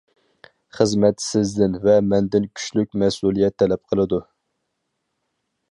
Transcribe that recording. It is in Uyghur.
خىزمەت سىزدىن ۋە مەندىن كۈچلۈك مەسئۇلىيەت تەلەپ قىلىدۇ.